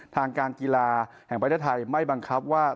ทางการกีฬาแห่งประเทศไทยไม่บังคับว่า